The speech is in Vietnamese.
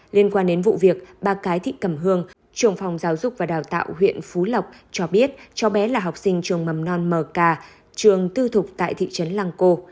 liên quan đến vụ việc bà cái thị cẩm hương trường phòng giáo dục và đào tạo huyện phú lộc cho biết cháu bé là học sinh trường mầm non mờ cà trường tư thục tại thị trấn lăng cô